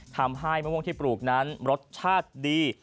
ทำให้มะม่วงที่ปลูกนั้นรสชาติดี